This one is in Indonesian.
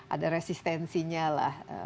ada resistensinya lah